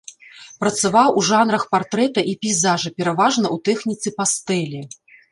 Працаваў у жанрах партрэта і пейзажа, пераважна ў тэхніцы пастэлі.